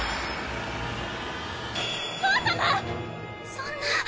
そんな。